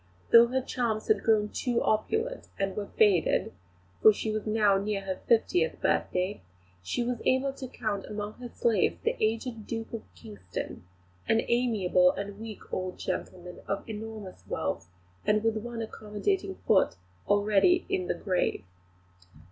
Though her charms had grown too opulent and were faded for she was now near her fiftieth birthday she was able to count among her slaves the aged Duke of Kingston, an amiable and weak old gentleman of enormous wealth, and with one accommodating foot already "in the grave."